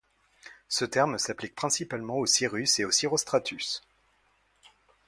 Ce terme s'applique principalement aux cirrus et aux cirrostratus.